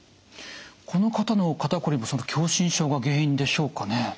この方の肩こりもその狭心症が原因でしょうかね？